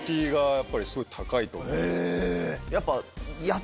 やっぱり。